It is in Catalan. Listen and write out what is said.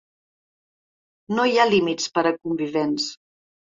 No hi ha límits per a convivents.